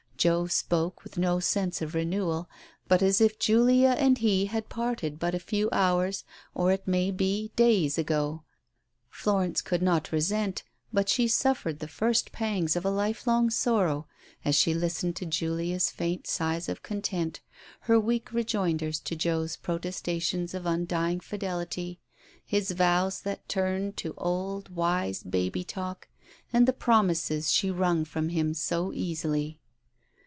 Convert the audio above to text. Joe spoke with no sense of renewal, but as if Julia and he had parted but a few hours, or it may be days, ago. Florence could not resent, but she suffered the first pangs of a lifelong sorrow as she listened to Julia's faint sighs of content, her weak rejoinders to Joe's protestations of undying fidelity, his vows that turned to old, wise, baby talk, and the promises she wrung from him so easily.